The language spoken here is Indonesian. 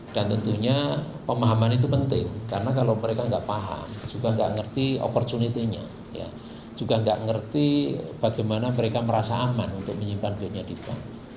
dan tentunya pemahaman itu penting karena kalau mereka enggak paham juga enggak ngerti opportunity nya juga enggak ngerti bagaimana mereka merasa aman untuk menyimpan duitnya di bank